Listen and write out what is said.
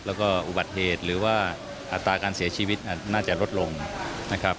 แล้วก็อุบัติเหตุหรือว่าอัตราการเสียชีวิตน่าจะลดลงนะครับ